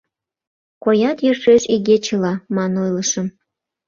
— Коят йӧршеш игечыла, — ман ойлышым.